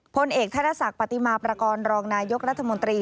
ผลเอกธรรมสักปฏิมาประกอบรองนายกรัฐมนตรี